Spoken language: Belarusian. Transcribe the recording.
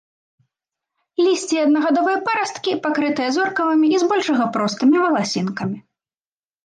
Лісце і аднагадовыя парасткі пакрытыя зоркавымі і збольшага простымі валасінкамі.